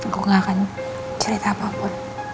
gue gak akan cerita apa apa